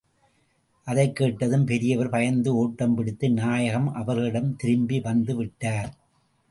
அதைக் கேட்டதும், பெரியவர் பயந்து ஓட்டம் பிடித்து நாயகம் அவர்களிடம் திரும்பி வந்து விட்டார்.